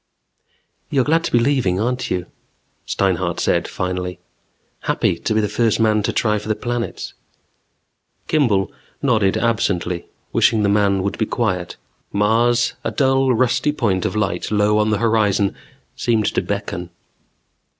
"You're glad to be leaving, aren't you " Steinhart said finally. "Happy to be the first man to try for the planets " Kimball nodded absently, wishing the man would be quiet. Mars, a dull rusty point of light low on the horizon, seemed to beckon.